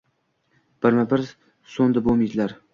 ‘birma bir so’ndi bu umidlar.